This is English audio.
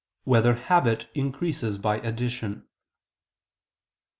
2] Whether Habit Increases by Addition?